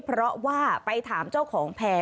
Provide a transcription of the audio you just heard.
เพราะว่าไปถามเจ้าของแพร่